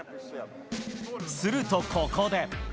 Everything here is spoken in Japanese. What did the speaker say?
するとここで。